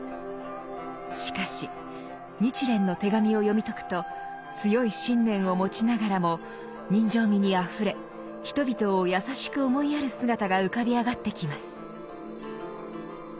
しかし「日蓮の手紙」を読み解くと強い信念を持ちながらも人情味にあふれ人々を優しく思いやる姿が浮かび上がってきます。